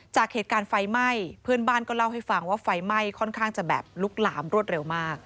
จากเหตุการณ์ไฟไหม้เพื่อนบ้านก็เล่าให้ฟังว่าไฟไหม้ค่อนข้างจะแบบลุกหลามรวดเร็วมาก